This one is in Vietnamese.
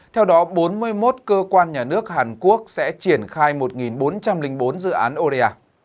theo đó bốn mươi một cơ quan nhà nước hàn quốc sẽ triển khai một bốn trăm linh bốn dự án oda